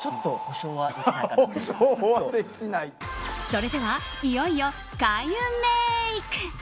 それではいよいよ開運メイク。